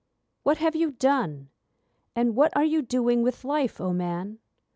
I WHAT have you done, and what are you doing with life, O Man!